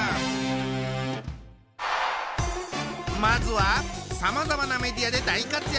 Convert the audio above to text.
まずはさまざまなメディアで大活躍！